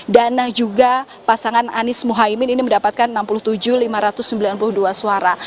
dan juga pasangan anies muhaymin ini mendapatkan enam puluh tujuh lima ratus sembilan puluh dua suara